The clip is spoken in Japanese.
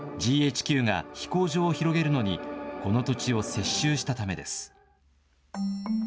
ＧＨＱが飛行場を広げるのにこの土地を接収したためです。